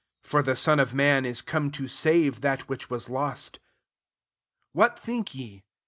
11 [^For the Son of man is come to save that which vfas lost,"] 12 What think ye